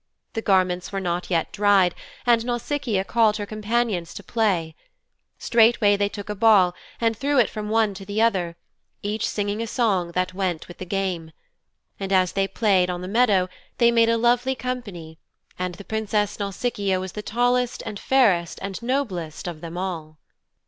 The garments were not yet dried and Nausicaa called on her companions to play. Straightway they took a ball and threw it from one to the other, each singing a song that went with the game. And as they played on the meadow they made a lovely company, and the Princess Nausicaa was the tallest and fairest and noblest of them all.